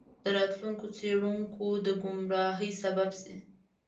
د راتلونکو څیړونکو د ګمراهۍ سبب شي.